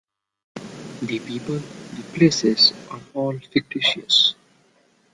The people, the places are all fictitious.